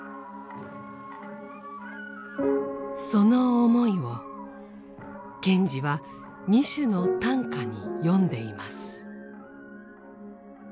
その思いを賢治は２首の短歌に詠んでいます。